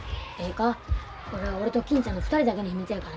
これは俺と金ちゃんの２人だけの秘密やからな。